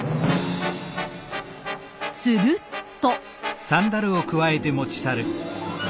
すると。